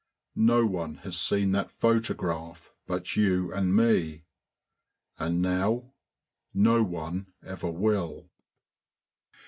No one has seen that photograph but you and me, and now no one ever will."